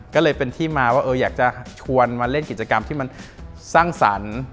ก็เลยเป็นที่มาว่าอยากจะชวนมาเล่นกิจกรรมที่มันสร้างสรรค์